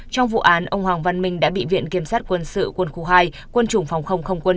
trong vụ án ông hoàng văn minh đã bị viện kiểm sát quân sự quân khu hai quân chủng phòng không không quân